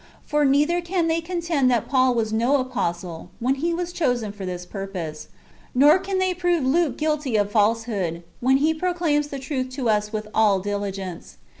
For neither can they contend that Paul was no apostle, when he was chosen for this purpose ; nor can they prove Luke guilty of falsehood, when he proclaims the truth to us with all diligence.